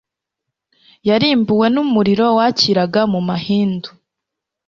yarimbuwe n'umuriro wakiraga mu mahindu